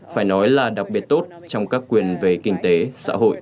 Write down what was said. phải nói là đặc biệt tốt trong các quyền về kinh tế xã hội